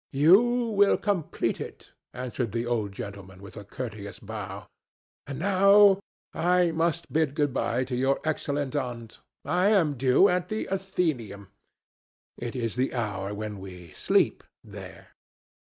"You will complete it," answered the old gentleman with a courteous bow. "And now I must bid good bye to your excellent aunt. I am due at the Athenaeum. It is the hour when we sleep there."